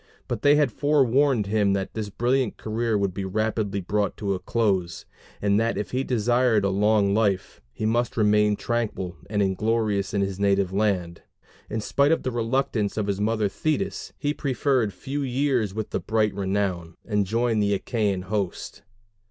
But they had forewarned him that this brilliant career would be rapidly brought to a close; and that if he desired a long life, he must remain tranquil and inglorious in his native land. In spite of the reluctance of his mother Thetis he preferred few years with bright renown, and joined the Achæan host.